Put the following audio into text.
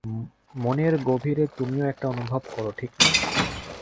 মনের গভীরে, তুমিও এটা অনুভব করো, ঠিক না?